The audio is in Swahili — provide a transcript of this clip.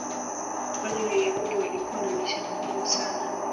Kwani raia wengi walikuwa na maisha magumu sana